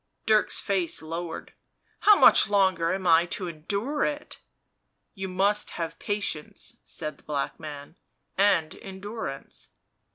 Dirk's face lowered. 11 How much longer am I to endure it?" " You must have patience," said the black man, " and endurance."